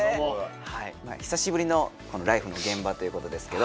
久しぶりのこの「ＬＩＦＥ！」の現場ということですけど。